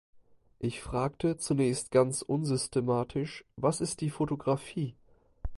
Ich fragte, zunächst ganz unsystematisch: Was ist die Fotografie?